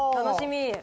楽しみ。